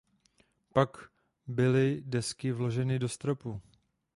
Pak byly desky vloženy do stropu.